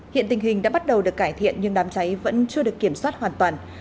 hiện tình hình đã bắt đầu được cải thiện nhưng đám cháy vẫn chưa được kiểm soát hoàn toàn